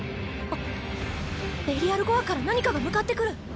ベリアル・ゴアから何かが向かってくる。